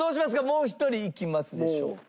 もう一人いきますでしょうか？